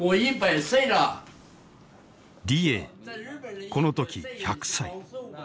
李鋭この時１００歳。